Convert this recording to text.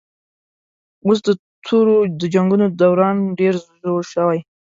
اوس د تورو د جنګونو دوران ډېر زوړ شوی